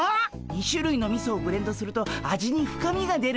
２しゅるいのみそをブレンドすると味に深みが出るんです。